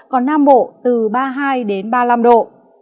còn nam bộ từ ba mươi hai đến ba mươi năm độ